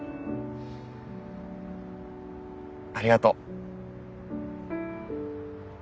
ありがとう。